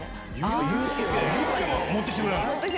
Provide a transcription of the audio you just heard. ユッケも持ってきてくれるの？